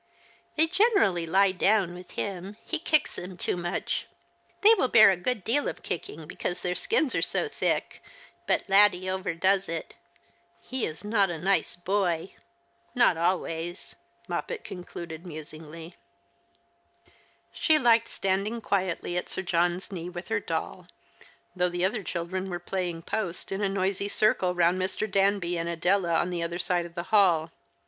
They generally lie down with him. He kicks them too much. They will bear a good deal of kicking because their skins are so thick, but Laddie overdoes it. He is not a nice boy — not always," Moppet concluded musingly. She liked standing quietly at Sir John's knee with her doll, though the other children were playing Post in a The Christmas Hirelings. 157 noisy circle round Mr. Danby and Adela on the other side of the hall.